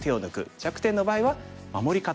弱点の場合は守り方を考える。